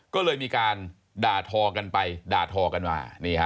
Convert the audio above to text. ก็เลยมีการด่าทอกันไปด่าทอกันมา